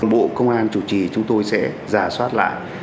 bộ công an chủ trì chúng tôi sẽ giả soát lại